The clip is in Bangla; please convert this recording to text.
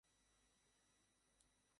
পরে আমি ফালতু কথা শুনবো না।